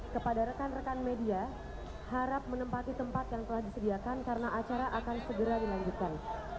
kepada rekan rekan media harap menempati tempat yang telah disediakan karena acara akan segera dilanjutkan